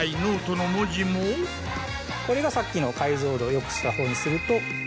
これがさっきの解像度を良くしたほうにすると。